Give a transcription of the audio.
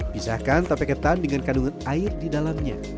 pisahkan tata peketan dengan kandungan air di dalamnya